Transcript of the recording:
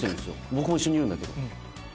僕も一緒にいるんだけど。